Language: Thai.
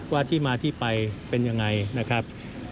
ว่าที่มาที่ไปเป็นยังไงนะครับ